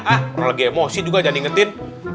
ah terlalu emosi juga jangan ingetin